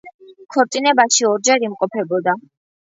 ქორწინებაში ორჯერ იმყოფებოდა.